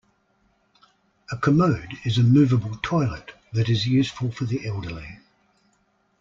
A commode is a movable toilet that is useful for the elderly.